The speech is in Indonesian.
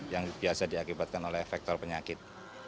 yang biasa diakibatkan oleh faktor penyakit